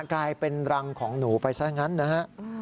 กลายเป็นรังของหนูไปซะงั้นนะฮะ